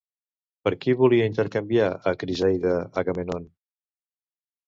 Per qui volia intercanviar a Criseida, Agamèmnon?